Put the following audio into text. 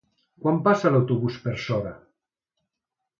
Quan passa l'autobús per Sora?